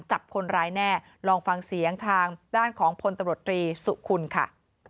จับคนร้ายแน่ลองฟังเสียงทางด้านของพลตำรวจตรีสุคุณค่ะ